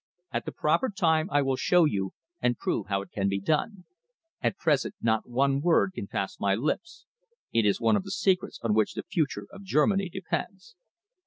"At the proper time I will show you and prove how it can be done. At present, not one word can pass my lips. It is one of the secrets on which the future of Germany depends."